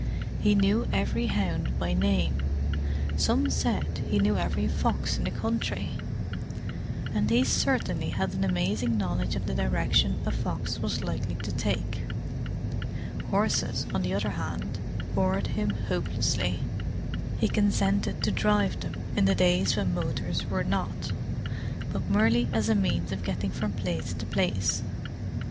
He knew every hound by name; some said he knew every fox in the country; and he certainly had an amazing knowledge of the direction a fox was likely to take. Horses, on the other hand, bored him hopelessly; he consented to drive them, in the days when motors were not, but merely as a means of getting from place to place.